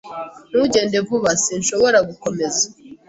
Ntugende vuba. Sinshobora gukomeza.